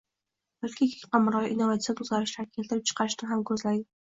balki keng qamrovli innovatsion o‘zgarishlarni keltirib chiqarishni ham ko‘zlaydi.